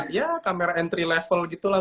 ya kamera entry level gitu lah